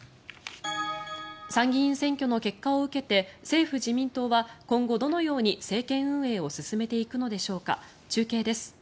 参議院選挙の結果を受けて政府・自民党は今後どのように政権運営を進めていくのでしょうか。